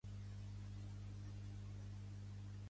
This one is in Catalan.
Déu mos lliure d'estudiant que sols estudia en un llibre.